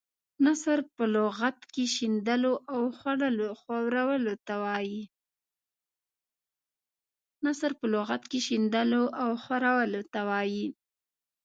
نثر په لغت کې شیندلو او خورولو ته وايي.